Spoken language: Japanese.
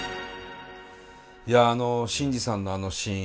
いやあの新次さんのあのシーン